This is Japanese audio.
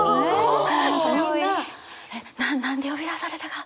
「な何で呼び出されたが？